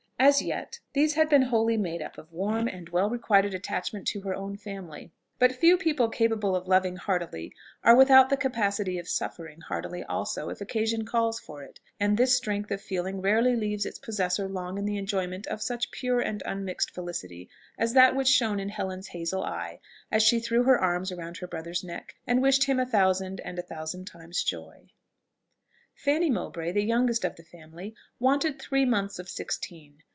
As yet, these had been wholly made up of warm and well requited attachment to her own family; but few people capable of loving heartily are without the capacity of suffering heartily also, if occasion calls for it, and this strength of feeling rarely leaves its possessor long in the enjoyment of such pure and unmixed felicity as that which shone in Helen's hazel eye as she threw her arms around her brother's neck, and wished him a thousand and a thousand times joy! Fanny Mowbray, the youngest of the family, wanted three months of sixteen.